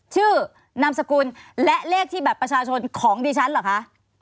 ชื่อนามสกุลและเลขที่แบบประชาชนของดีฉันเหรอคะ